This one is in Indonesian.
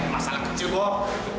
masalah kecil boh